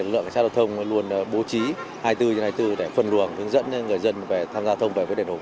lực lượng cảnh sát giao thông luôn bố trí hai mươi bốn h hai mươi bốn để phân luận hướng dẫn người dân tham gia thông về với đền hồ